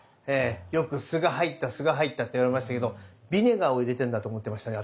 よく「すが入ったすが入った」って言われましたけどビネガーを入れてるんだと思ってましたね